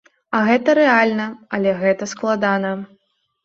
А гэта рэальна, але гэта складана.